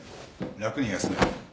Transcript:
楽に休め。